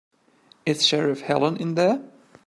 Is Sheriff Helen in there?